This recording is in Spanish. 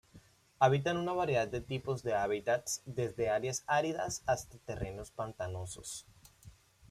Habitan una variedad de tipos de hábitats, desde áreas áridas hasta terrenos pantanosos.